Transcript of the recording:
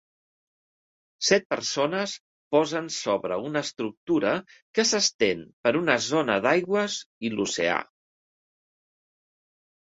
Set persones posen sobre una estructura que s'estén per una zona d'aigües i l'oceà.